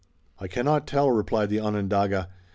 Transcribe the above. "I cannot tell," replied the Onondaga.